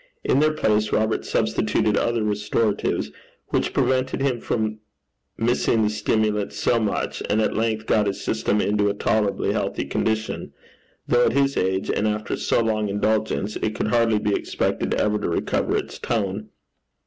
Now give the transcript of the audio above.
In their place Robert substituted other restoratives, which prevented him from missing the stimulants so much, and at length got his system into a tolerably healthy condition, though at his age, and after so long indulgence, it could hardly be expected ever to recover its tone.